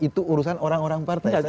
itu urusan orang orang partai aja